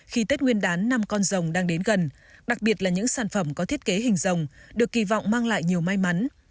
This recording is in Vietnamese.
khi tết nguyên đán năm con rồng đang đến gần đặc biệt là những sản phẩm có thiết kế hình rồng được kỳ vọng mang lại nhiều may mắn